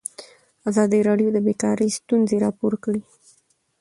ازادي راډیو د بیکاري ستونزې راپور کړي.